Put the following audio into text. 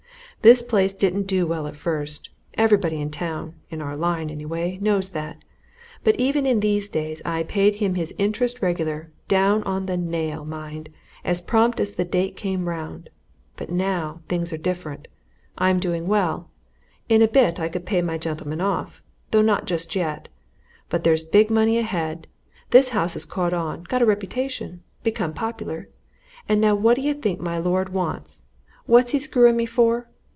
This place didn't do well at first everybody in town, in our line, anyway, knows that but even in these days I paid him his interest regular down on the nail, mind, as prompt as the date came round. But now things are different. I'm doing well in a bit I could pay my gentleman off though not just yet. But there's big money ahead this house has caught on, got a reputation, become popular. And now what d'ye think my lord wants what he's screwing me for?